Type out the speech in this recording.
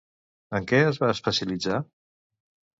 En què es va especialitzar?